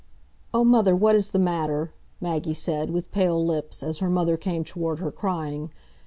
"Oh, mother, what is the matter?" Maggie said, with pale lips, as her mother came toward her crying.